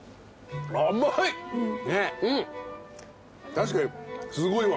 確かにすごいわ。